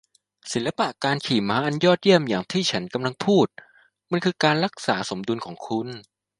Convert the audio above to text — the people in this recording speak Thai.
ศิลปะการขี่ม้าอันยอดเยี่ยมอย่างที่ฉันกำลังพูด มันคือการรักษาสมดุลของคุณ